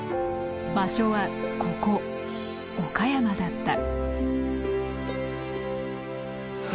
場所はここ岡山だった。